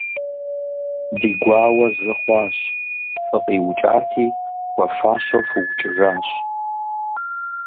Ди гуауэ зы хъуащ - фыкъиукӀати, хуэфащэу фыукӀыжащ.